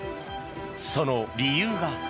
その理由が。